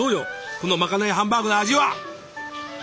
このまかないハンバーグの味は。